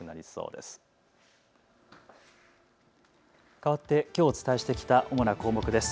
かわってきょうお伝えしてきた主な項目です。